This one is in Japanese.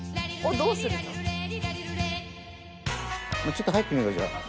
ちょっと入ってみよう。